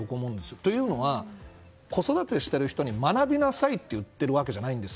というのは、子育てしている人に学びなさいというのではないんです。